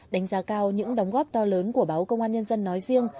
đánh giá cao những đóng góp to lớn của báo công an nhân dân nói riêng